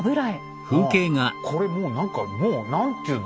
これもう何かもう何ていうの？